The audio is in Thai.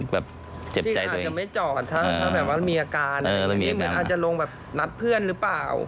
มันต้องแม้จอดถ้ามีอาการหรืออาจลงนัดเพื่อนหรือเปล่า